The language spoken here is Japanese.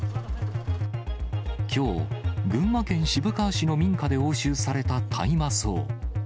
きょう、群馬県渋川市の民家で押収された大麻草。